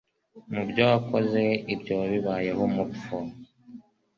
Mu byo wakoze ibyo wabibayeho umupfu